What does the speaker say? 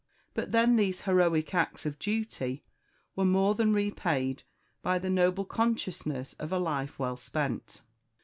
But then these heroic acts of duty were more than repaid by the noble consciousness of a life well spent.